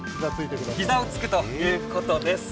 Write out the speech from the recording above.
膝をつくということです。